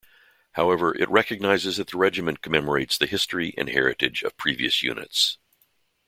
However, it recognizes that the Regiment commemorates the history and heritage of previous units.